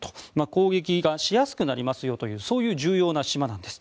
攻撃がしやすくなりますよという重要な島なんです。